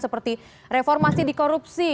seperti reformasi di korupsi